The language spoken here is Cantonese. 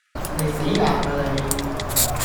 你死硬喇你